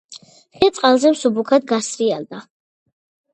ხე წყალზე მსუბუქად გასრიალდა...